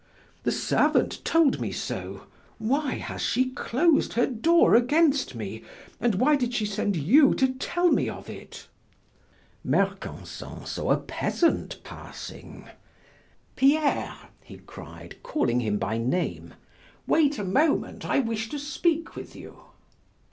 "The servant told me so. Why has she closed her door against me, and why did she send you to tell me of it?" Mercanson saw a peasant passing. "Pierre!" he cried, calling him by name, "wait a moment, I wish to speak with you."